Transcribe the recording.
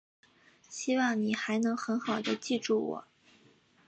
希望你还能很好地记住我。